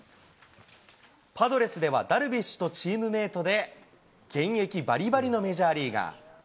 パドレスではダルビッシュとチームメートで、現役ばりばりのメジャーリーガー。